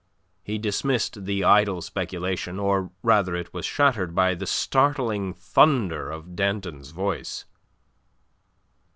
He dismissed the idle speculation, or rather it was shattered by the startling thunder of Danton's voice.